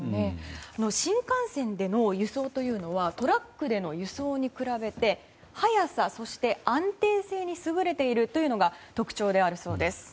新幹線での輸送というのはトラックでの輸送に比べて早さ、そして安定性に優れているというのが特徴であるそうです。